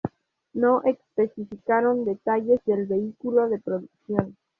No especificaron detalles del vehículo de producción.